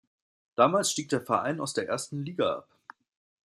Damals stieg der Verein aus der ersten Liga ab.